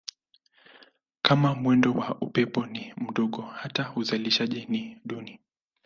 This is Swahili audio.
Kama mwendo wa upepo ni mdogo hata uzalishaji ni duni.